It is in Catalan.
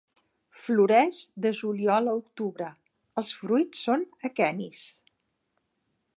Floreix de juliol a octubre; els fruits són aquenis.